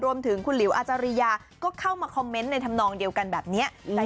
รวมถึงคุณหลิวอาจาริยาก็เข้ามาคอมเมนต์ในธรรมนองเดียวกันแบบนี้